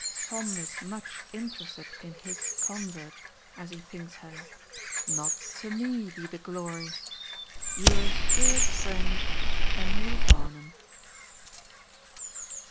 Tom is much interested in his convert, as he thinks her. Not to me be the glory!—Your assured friend, EMILY BARNUM.